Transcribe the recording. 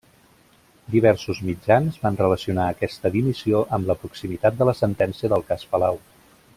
Diversos mitjans van relacionar aquesta dimissió amb la proximitat de la sentència del Cas Palau.